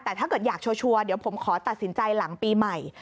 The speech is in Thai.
แต่ถ้าเกิดอยากชัวร์เดี๋ยวผมขอตัดสินใจหลังปีใหม่